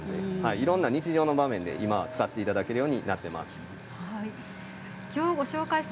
いろいろな日常の場面で使っていただけるようになっています。